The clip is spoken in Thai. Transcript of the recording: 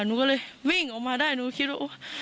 หนูก็เลยวิ่งออกมาได้หนูคิดว่าโอ๊ย